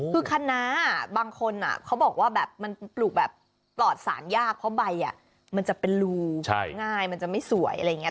คือคณะบางคนเขาบอกว่าแบบมันปลูกแบบปลอดสารยากเพราะใบมันจะเป็นรูง่ายมันจะไม่สวยอะไรอย่างนี้